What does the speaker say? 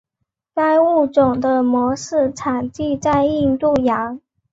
该物种的模式产地在印度洋。